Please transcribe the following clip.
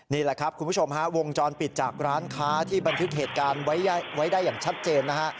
นี่แหละครับคุณผู้ชมฮะวงจรปิดจากร้านค้าที่บันทึกเหตุการณ์ไว้ได้อย่างชัดเจนนะฮะ